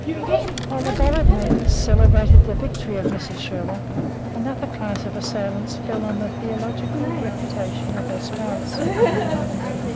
While the ballad makers celebrated the victory of Mrs. Sherlock, another class of assailants fell on the theological reputation of her spouse.